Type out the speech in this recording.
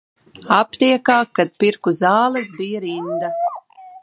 Aptiekā, kad pirku zāles, bija rinda.